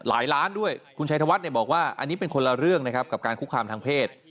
อันนี้เป็นคนละเรื่องนะครับกับการคุกคามทางเพศ